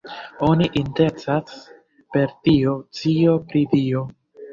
Oni intencas per tio "scio pri Dio".